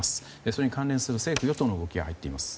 それに関連する政府・与党の動きが入っています。